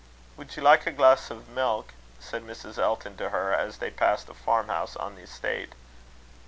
"Would you like a glass of milk?" said Mrs. Elton to her, as they passed a farm house on the estate.